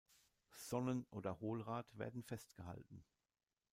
Sonnen- oder Hohlrad werden festgehalten.